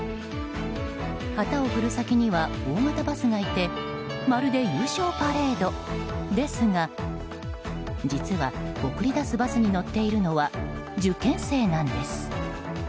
旗を振る先には大型バスがいてまるで優勝パレードですが実は、送り出すバスに乗っているのは受験生なんです。